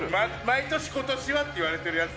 毎年「今年は」って言われてるやつ